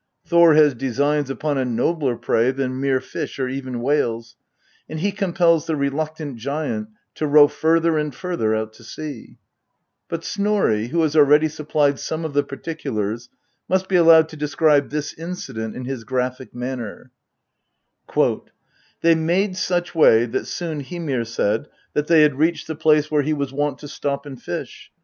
Thor has designs upon a nobler prey than mere fish or even whales, and he compels the reluctant giant to row further and further out to sea ; but Snorri, who has already sup plied some of the particulars, must be allowed to describe this incident in his graphic manner :" They made such way that soon Hymir said that they had reached the place where he was wont to stop and fish.